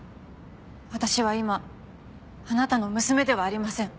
私は今あなたの娘ではありません。